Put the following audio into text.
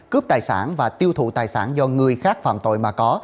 cướp tài sản và tiêu thụ tài sản do người khác phạm tội mà có